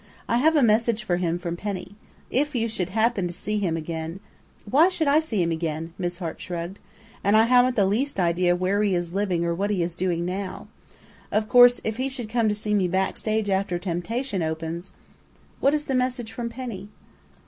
"I have a message for him from Penny if you should happen to see him again " "Why should I see him again?" Miss Hart shrugged. "And I haven't the least idea where he is living or what he is doing now.... Of course, if he should come to see me backstage after 'Temptation' opens What is the message from Penny?"